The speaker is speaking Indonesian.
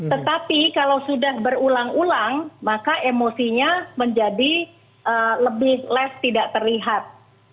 tetapi kalau sudah berulang ulang maka emosinya menjadi lebih les tidak terlihat